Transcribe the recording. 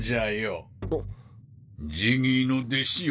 ジギーの弟子よ